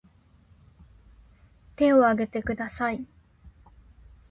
手を挙げてください